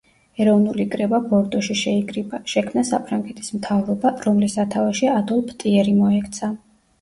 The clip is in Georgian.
ეროვნული კრება ბორდოში შეიკრიბა, შექმნა საფრანგეთის მთავრობა რომლის სათავეში ადოლფ ტიერი მოექცა.